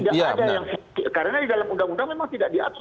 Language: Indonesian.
tidak ada yang ahli